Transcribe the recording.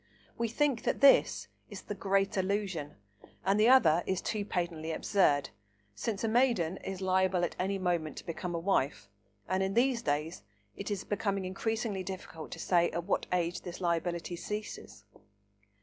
We think that this is "The Great Illusion," and the other is too patently absurd, since a maiden is liable at any moment to become a wife, and, in these days, it is becoming increasingly difficult to say at what age this liability ceases.